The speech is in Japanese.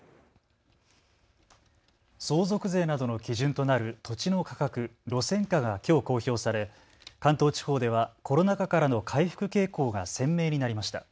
相続税などの基準となる土地の価格、路線価がきょう公表され関東地方ではコロナ禍からの回復傾向が鮮明になりました。